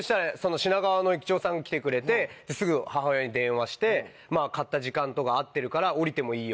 品川の駅長さんが来てくれてすぐ母親に電話して「買った時間とか合ってるから降りてもいいよ」